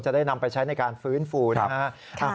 ได้นำไปใช้ในการฟื้นฟูนะครับ